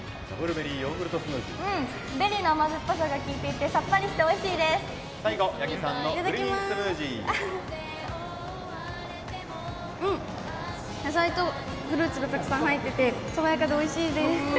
ベリーの甘酸っぱさが効いていて最後、八木さんの野菜とフルーツがたくさん入ってて爽やかでおいしいです！